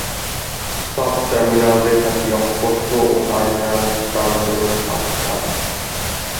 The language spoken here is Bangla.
সাব-টার্মিনাল রেখাটি অস্পষ্ট ও টার্মিনাল প্রান্তরেখা সাদা।